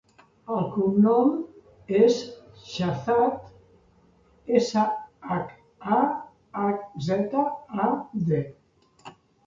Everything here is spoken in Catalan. El cognom és Shahzad: essa, hac, a, hac, zeta, a, de.